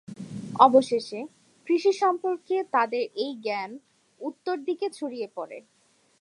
অবশেষে, কৃষি সম্পর্কে তাদের এই জ্ঞান, উত্তর দিকে ছড়িয়ে পড়ে।